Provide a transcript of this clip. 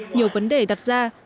nhiều vấn đề đặt ra